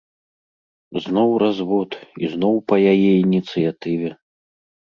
Зноў развод, і зноў па яе ініцыятыве.